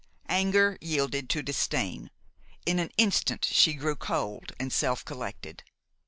Anger yielded to disdain. In an instant she grew cold and self collected.